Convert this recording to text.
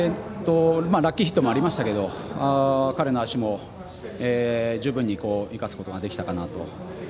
ラッキーヒットもありましたけど彼の足も十分に生かすことができたかなと。